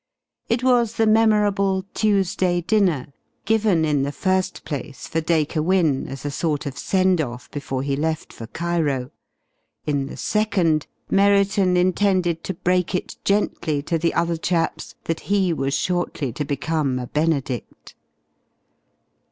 It was the memorable Tuesday dinner, given in the first place for Dacre Wynne, as a sort of send off before he left for Cairo. In the second Merriton intended to break it gently to the other chaps that he was shortly to become a Benedict.